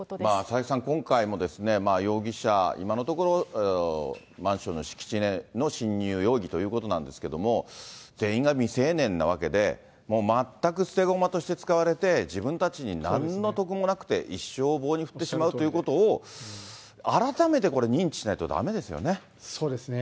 佐々木さん、今回も容疑者、今のところ、マンションの敷地への侵入容疑ということなんですが、全員が未成年なわけで、もう全く捨て駒として使われて、自分たちになんの得もなくて、一生を棒に振ってしまうということを、改めてこれ、認知しないとそうですね。